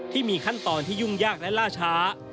ที่มีขั้นตอนที่ยุ่งยากและล่าช้า